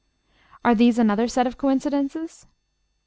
Are these another set of coincidences?